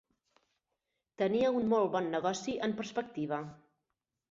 Tenia un molt bon negoci en perspectiva.